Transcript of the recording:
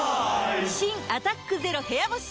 新「アタックＺＥＲＯ部屋干し」